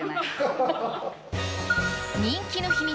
人気の秘密